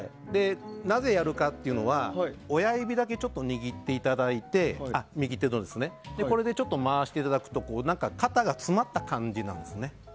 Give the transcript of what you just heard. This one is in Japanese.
なぜやるかというと右手の親指だけちょっと握っていただいてこれでちょっと回していただくと肩が詰まった感じになるんですね。